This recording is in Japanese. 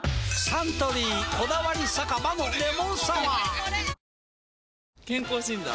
サントリー「こだわり酒場のレモンサワー」健康診断？